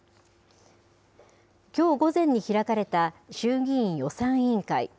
きょう午前に開かれた衆議院予算委員会。